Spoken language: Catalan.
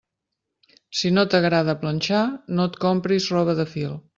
Si no t'agrada planxar, no et compris roba de fil.